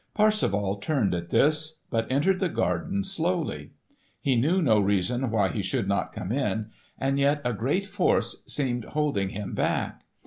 Parsifal turned at this, but entered the garden slowly. He knew no reason why he should not come in, and yet a great force seemed holding him back.